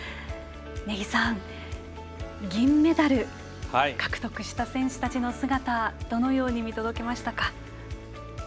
根木さん、銀メダル獲得した選手たちの姿どのように見届けましたか？